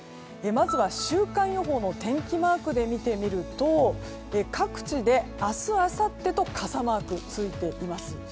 まずは週間予報の天気マークで見てみると各地で、明日あさってと傘マークがついています。